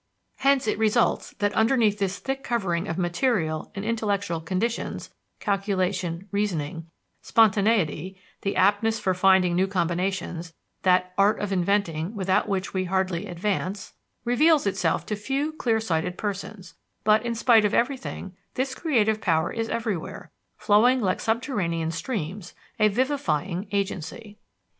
Hence it results that underneath this thick covering of material and intellectual conditions (calculation, reasoning), spontaneity (the aptness for finding new combinations, "that art of inventing without which we hardly advance") reveals itself to few clear sighted persons; but, in spite of everything, this creative power is everywhere, flowing like subterranean streams, a vivifying agency.